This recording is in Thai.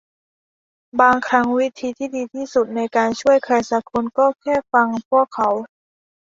บางครั้งวิธีที่ดีที่สุดในการช่วยใครซักคนก็แค่ฟังพวกเขา